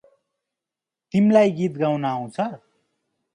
तिम्लाई गीत गाउन आउछ?